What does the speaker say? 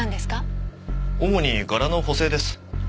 主に柄の補正です。